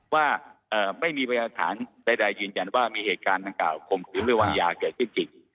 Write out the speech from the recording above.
ว่าไม่มีประสานใดยืนกันว่ามีเหตุการณ์ต่างการขมกินหรือวันยาเกิดขึ้นจริง